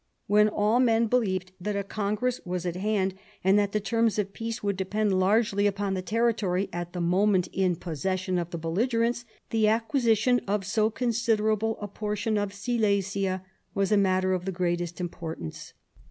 When all men believed that a congress was at hand, and that the terms of peace would depend largely upon the territory at the moment in possession of the belligerents, the acquisition of so considerable a portion of Silesia was a matter of the greatest importance.